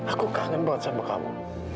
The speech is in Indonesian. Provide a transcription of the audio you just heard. aku senang kannen banget sama kamu